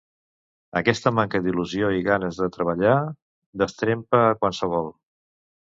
Aquesta manca d'il·lusió i ganes de treballar destrempa a qualsevol.